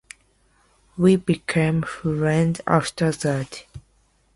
We became friends after that.